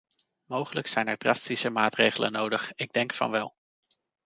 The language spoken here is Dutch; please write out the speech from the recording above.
Mogelijk zijn er drastische maatregelen nodig - ik denk van wel.